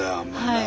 はい。